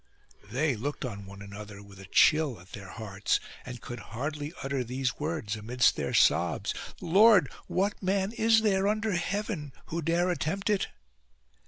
They looked on one another, with a chill at their hearts, and could hardly utter these words amidst their sobs :—" Lord, what man is there under heaven, who dare attempt it